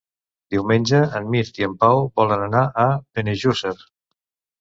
Diumenge en Mirt i en Pau volen anar a Benejússer.